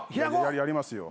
やりますよ。